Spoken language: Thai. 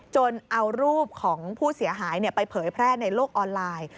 จนเอารูปของผู้เสียหายไปเผยแพร่ในโลกออนไลน์